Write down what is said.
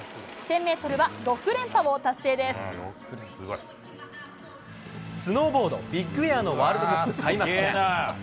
１０００メートルは６連覇を達成スノーボードビッグエアのワールドカップ開幕戦。